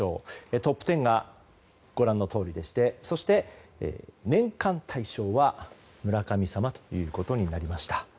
トップ１０がご覧のとおりでしてそして、年間大賞は村神様となりました。